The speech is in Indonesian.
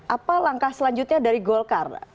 apa langkah selanjutnya dari golkar